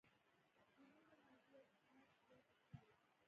د نورو مازې يو کوچنى ټيکرى پر سر و.